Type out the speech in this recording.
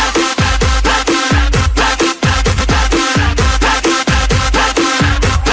ขอบคุณครับ